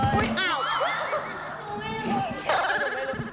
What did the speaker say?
อุ้ยอ่าว